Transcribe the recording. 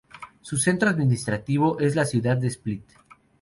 Su centro administrativo es la ciudad de Split.